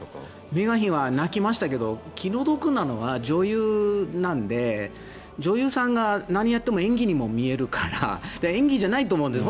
メーガン妃は泣きましたが気の毒なのは女優なので女優さんが何やっても演技にも見えるから演技じゃないと思うんです